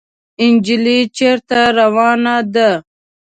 انجلۍ چېرته روانه ده ؟